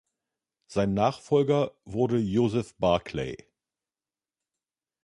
Sein Nachfolger wurde Joseph Barclay.